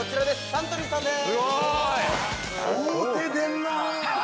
サントリーさんです。